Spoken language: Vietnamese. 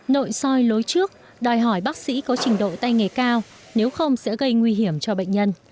nội soi lối trước đòi hỏi bác sĩ có trình độ tay nghề cao nếu không sẽ gây nguy hiểm cho bệnh nhân